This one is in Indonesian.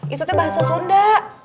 itu teh bahasa sonda